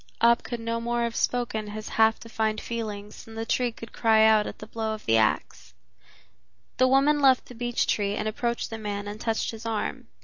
Ab could no more have spoken his half defined feelings than the tree could cry out at the blow of the ax. The woman left the beech tree and approached the man and touched his arm.